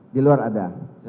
di luar ada